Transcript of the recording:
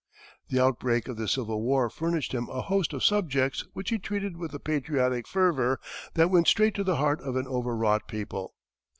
The outbreak of the Civil War furnished him a host of subjects which he treated with a patriotic fervor that went straight to the heart of an overwrought people.